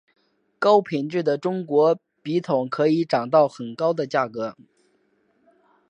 高品质的中国笔筒可以涨到很高的价格。